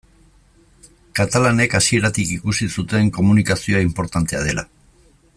Katalanek hasieratik ikusi zuten komunikazioa inportantea dela.